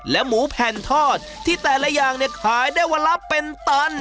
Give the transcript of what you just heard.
หมูแผ่นทอดที่แต่ละอย่างเนี่ยขายได้วันละเป็นตัน